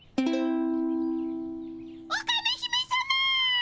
オカメ姫さま！